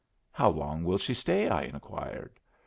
"How long will she stay?" I inquired.